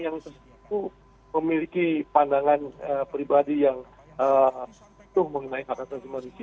yang itu memiliki pandangan pribadi yang betul mengenai hak hak tersebut